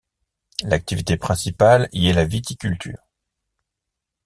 L'activité principale y est la viticulture.